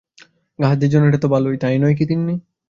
গাছদের জন্যে এটা তো ভালোই, তাই নয় কি তিন্নি?